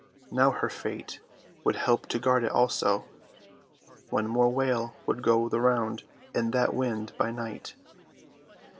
Now her fate would help to guard it also. One more wail would go the round in that wind by night.